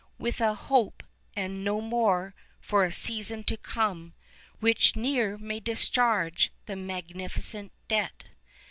With a hope (and no more) for a season to come, 11 Which ne'er may discharge the magnificent debt?